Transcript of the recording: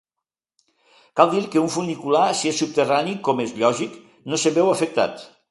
Cal dir que un funicular, si és subterrani, com és lògic, no se'n veu afectat.